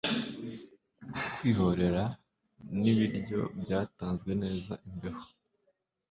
Kwihorera nibiryo byatanzwe neza imbeho